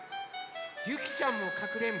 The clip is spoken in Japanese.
ゆきちゃんもかくれんぼ？